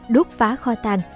đốt phá kho tàn